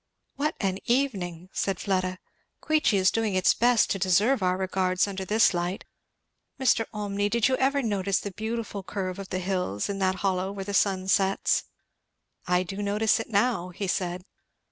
"What an evening!" said Fleda. "Queechy is doing its best to deserve our regards under this light. Mr. Olmney, did you ever notice the beautiful curve of the hills in that hollow where the sun sets?" "I do notice it now" he said.